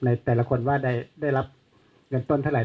แต่ละคนว่าได้รับเงินต้นเท่าไห